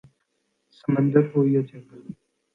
سمندر ہو یا جنگل